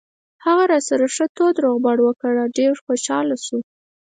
هغه راسره ښه تود روغبړ وکړ او ډېر خوشاله شو.